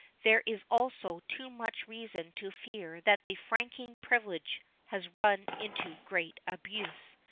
There is also too much reason to fear that the franking privilege has run into great abuse.